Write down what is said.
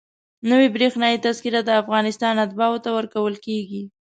نوې برېښنایي تذکره د افغانستان اتباعو ته ورکول کېږي.